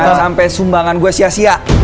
sampai sumbangan gue sia sia